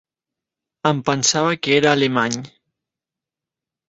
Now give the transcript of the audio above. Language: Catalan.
Em pensava que era alemany.